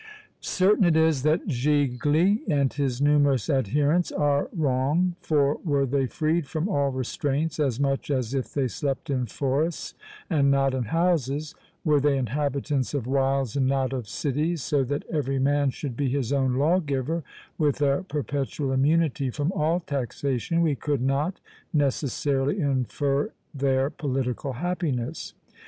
Certain it is that Gigli and his numerous adherents are wrong: for were they freed from all restraints as much as if they slept in forests and not in houses; were they inhabitants of wilds and not of cities, so that every man should be his own lawgiver, with a perpetual immunity from all taxation, we could not necessarily infer their political happiness.